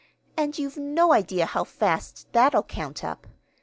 And you've no idea how fast that'll count up.